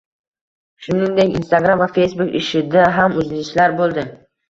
Shuningdek, Instagram va Facebook ishida ham uzilishlar bo‘ldi